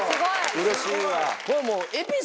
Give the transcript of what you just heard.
うれしいわ。